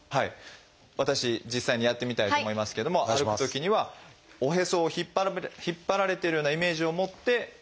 私実際にやってみたいと思いますけども歩くときにはおへそを引っ張られてるようなイメージを持って歩いていただく。